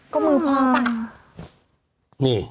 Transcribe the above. ก็มือพ่อป่ะ